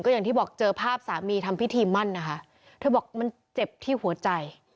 อย่างที่บอกเจอภาพสามีทำพิธีมั่นนะคะเธอบอกมันเจ็บที่หัวใจ